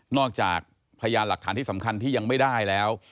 จากพยานหลักฐานที่สำคัญที่ยังไม่ได้แล้ว